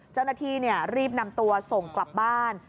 เจ้าหน้าที่รีบนำตัวส่งกลับบ้าน